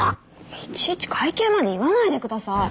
いちいち階級まで言わないでください！